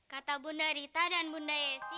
kata bunda rita dan bunda yesi